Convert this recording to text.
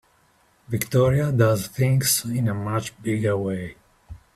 Victoria does things in a much bigger way.